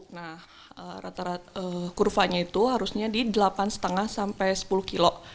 nah rata rata kurvanya itu harusnya di delapan lima sampai sepuluh kilo